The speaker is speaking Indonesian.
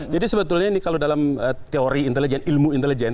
jadi sebetulnya ini kalau dalam teori intelijen ilmu intelijen